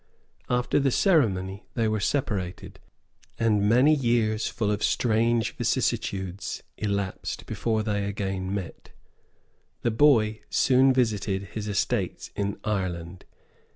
After the ceremony they were separated; and many years full of strange vicissitudes elapsed before they again met. The boy soon visited his estates in Ireland.